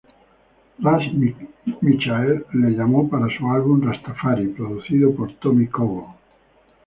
Ras Michael le llamó para su álbum "Rastafari", producido por Tommy Cowan.